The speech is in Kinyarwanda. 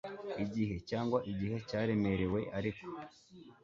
igihe cyangwa igihe cyaremerewe ariko